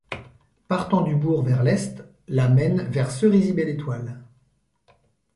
Partant du bourg vers l'est, la mène vers Cerisy-Belle-Étoile.